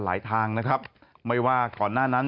ทางนะครับไม่ว่าก่อนหน้านั้น